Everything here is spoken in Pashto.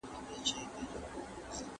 دا چا سره نژدې کړلې کاسې پۀ مېخانه کښې